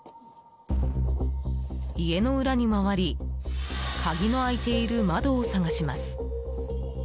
家の裏に回り鍵の開いている窓を探します。